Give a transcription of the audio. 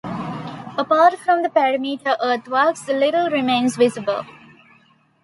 Apart from the perimeter earthworks, little remains visible.